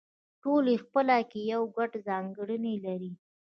ټول یې خپله کې یوه ګډه ځانګړنه لري